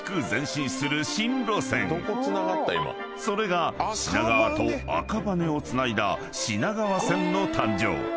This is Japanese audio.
［それが品川と赤羽をつないだ品川線の誕生］